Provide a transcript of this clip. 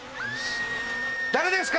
誰ですか？